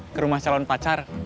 ke rumah calon pacar